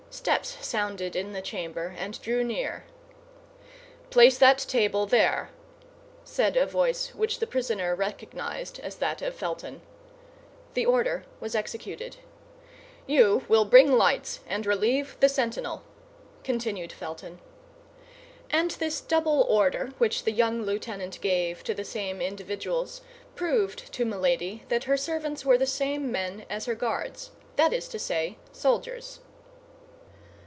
Steps sounded in the chamber, and drew near. "Place that table there," said a voice which the prisoner recognized as that of Felton. The order was executed. "You will bring lights, and relieve the sentinel," continued Felton. And this double order which the young lieutenant gave to the same individuals proved to Milady that her servants were the same men as her guards; that is to say, soldiers.